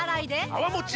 泡もち